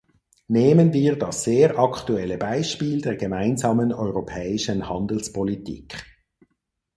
Nehmen wir das sehr aktuelle Beispiel der gemeinsamen europäischen Handelspolitik.